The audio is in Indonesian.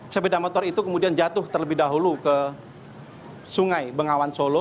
sepeda motor itu kemudian jatuh terlebih dahulu ke sungai bengawan solo